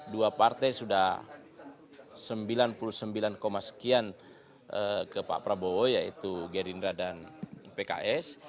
dua partai sudah sembilan puluh sembilan sekian ke pak prabowo yaitu gerindra dan pks